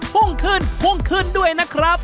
พรุ่งขึ้นพรุ่งขึ้นด้วยนะครับ